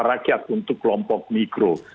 rakyat untuk kelompok mikro